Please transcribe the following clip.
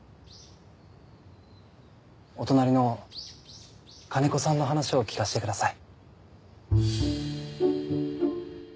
お隣の金子さんの話を聞かせてください。